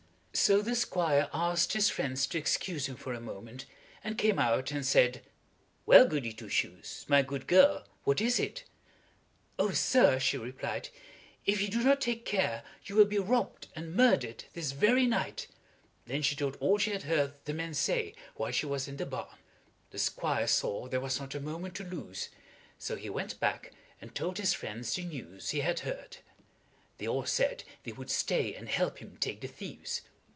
So the squire asked his friends to excuse him for a moment, and came out and said, "Well, Goody Two Shoes, my good girl, what is it?" "Oh, sir," she replied, "if you do not take care you will be robbed and murdered this very night!" Then she told all she had heard the men say while she was in the barn. The squire saw there was not a moment to lose, so he went back and told his friends the news he had heard. They all said they would stay and help him take the thieves.